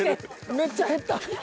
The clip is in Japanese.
めっちゃ減った。